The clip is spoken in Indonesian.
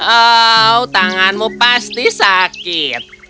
oh tanganmu pasti sakit